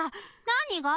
何が？